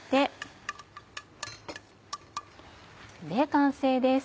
完成です。